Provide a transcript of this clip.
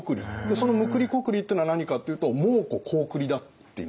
そのむくりこくりっていうのは何かっていうと蒙古高句麗だっていう。